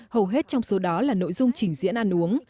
hầu hết trong số đó là nội dung trình diễn ăn uống